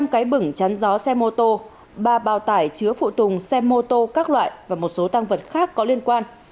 một trăm linh cái bửng chắn gió xe mô tô ba bào tải chứa phụ tùng xe mô tô các loại và một số tăng vật khác có liên quan